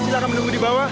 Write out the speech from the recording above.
silakan menunggu di bawah